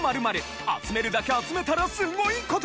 集めるだけ集めたらすごい事が！